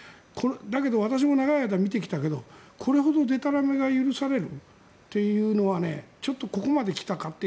だけど私も長い間、見てきたけどこれほどでたらめが許されるというのはここまで来たかと。